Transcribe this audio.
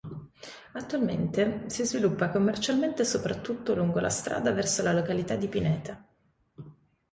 Attualmente, si sviluppa commercialmente soprattutto lungo la strada verso la località di Pineta.